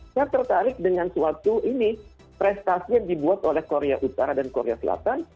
saya tertarik dengan suatu ini prestasi yang dibuat oleh korea utara dan korea selatan